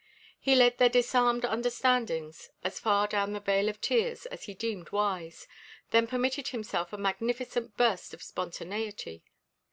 He led their disarmed understandings as far down the vale of tears as he deemed wise, then permitted himself a magnificent burst of spontaneity.